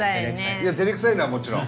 いやてれくさいのはもちろん。